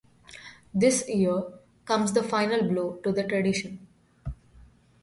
This year comes the final blow to the tradition.